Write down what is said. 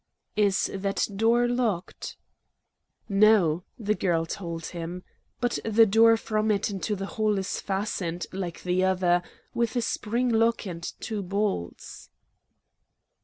"Is that door locked?" "No," the girl told him. "But the door from it into the hall is fastened, like the other, with a spring lock and two bolts."